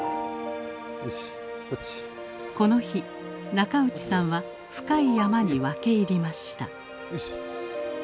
この日中内さんは深い山に分け入りました。